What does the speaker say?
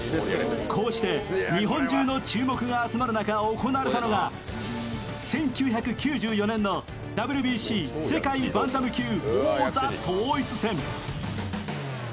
こうして日本中の注目が集まる中、行われたのが１９９４年のＷＢＣ世界バンタム級王座統一戦。